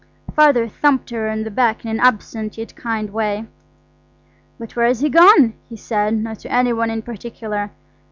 Father thumped her on the back in an absent yet kind way. "But where's he gone?" he said, not to any one in particular.